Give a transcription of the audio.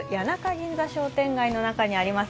銀座商店街の中にあります